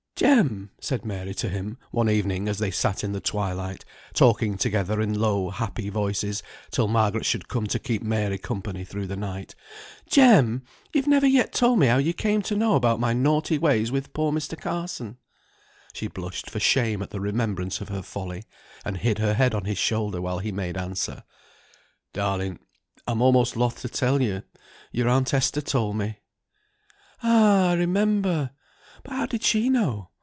"Jem!" said Mary to him, one evening as they sat in the twilight, talking together in low happy voices till Margaret should come to keep Mary company through the night, "Jem! you've never yet told me how you came to know about my naughty ways with poor young Mr. Carson." She blushed for shame at the remembrance of her folly, and hid her head on his shoulder while he made answer. "Darling, I'm almost loth to tell you; your aunt Esther told me." "Ah, I remember! but how did she know?